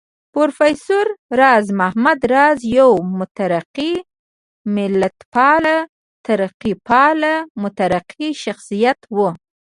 پروفېسر راز محمد راز يو مترقي ملتپال، ترقيپال مترقي شخصيت و